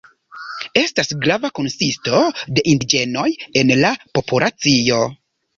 Estas grava konsisto de indiĝenoj en la populacio.